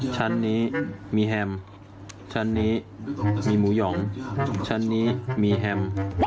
ชั้นนี้มีแฮมชั้นนี้มีหมูหยองชั้นนี้มีแฮม